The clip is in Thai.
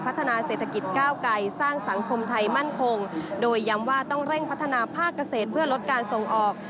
พัฒนาเศรษฐกิจก้าวไกลสร้างสังคมไทยมั่นคงโดยย้ำว่าต้องเร่งพัฒนาภาคเกษตรเพื่อลดการส่งออก